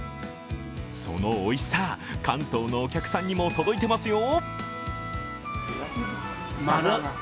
そのおいしさ、関東のお客さんにも届いていますよ。